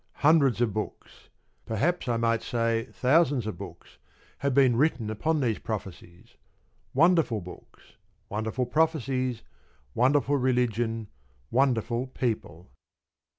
Hundreds of books perhaps I might say thousands of books have been written upon these prophecies. Wonderful books, wonderful prophecies, wonderful religion, wonderful people.